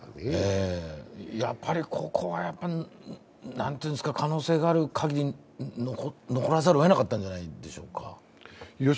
やっぱりここは可能性があるかぎり、残らざるをえなかったんじゃないでしょうか。